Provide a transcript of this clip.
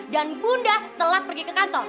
dan bunda telah pergi ke kantor